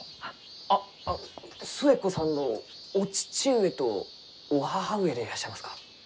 あっ寿恵子さんのお父上とお母上でいらっしゃいますか？